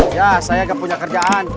iya saya nggak punya kerjaan